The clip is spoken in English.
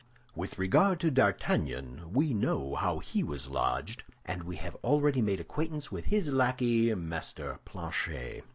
With regard to D'Artagnan, we know how he was lodged, and we have already made acquaintance with his lackey, Master Planchet.